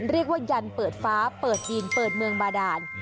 เรียกว่ายันเปิดฟ้าเปิดดินเปิดเมืองบาดาน